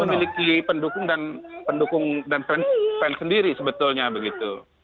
memiliki pendukung dan pendukung dan fans sendiri sebetulnya begitu